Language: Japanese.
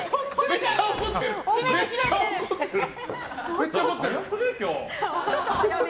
めっちゃ怒ってる！早くね？